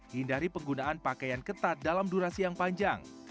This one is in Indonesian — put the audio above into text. hindari penggunaan pakaian ketat dalam durasi yang panjang